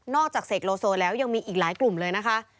จากเสกโลโซแล้วยังมีอีกหลายกลุ่มเลยนะคะ